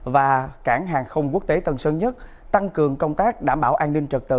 và cảng hàng không quốc tế tân sơn nhất tăng cường công tác đảm bảo an ninh trật tự